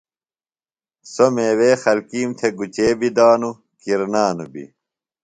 سو میوے خلکیم تھےۡ گُچے بی دانو، کرنانو بی۔